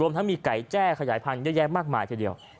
ทั้งมีไก่แจ้ขยายพันธุ์เยอะแยะมากมายทีเดียว